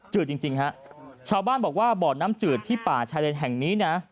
จริงจริงฮะชาวบ้านบอกว่าบ่อน้ำจืดที่ป่าชายเลนแห่งนี้นะ